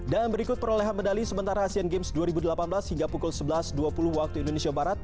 dan berikut perolehan medali sementara asian games dua ribu delapan belas hingga pukul sebelas dua puluh waktu indonesia barat